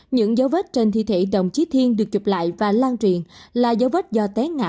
những dấu vết trên thi thể đồng chí thiên được chụp lại và lan truyền là dấu vết do té ngã